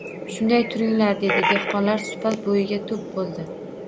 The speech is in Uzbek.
— Shunday turinglar! — dedi. Dehqonlar supa poyiga to‘p bo‘ldi.